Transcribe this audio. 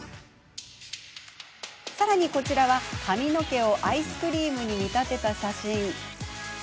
さらにこちらは、髪の毛をアイスクリームに見立てた写真。